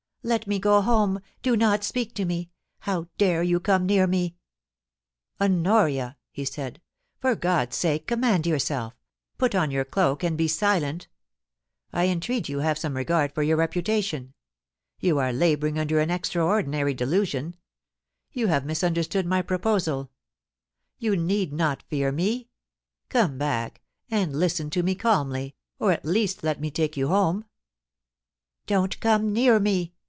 Let me go home ! Do not speak to me 1 How dare you come near me !' 'Honoria!' he said, 'for God's sake command yourself! Put on your cloak and be silent I entreat you have some regard for your reputation. You are labouring under an extraordinary delusion. You have misunderstood my pro posal You need not fear me. Come back, and listen to me calmly, or at least let me take you home.' ' Don't come near me